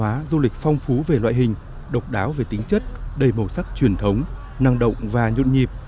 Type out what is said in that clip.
văn hóa du lịch phong phú về loại hình độc đáo về tính chất đầy màu sắc truyền thống năng động và nhộn nhịp